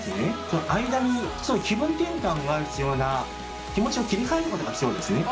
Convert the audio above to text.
その間にちょっと気分転換が必要な気持ちを切り替えることが必要ですね。